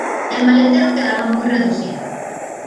El maletero quedaba muy reducido.